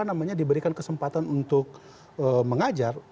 untuk kemudian diberikan kesempatan untuk mengajar